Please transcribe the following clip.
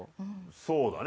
そうだね。